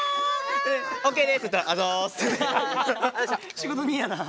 仕事人やなぁ。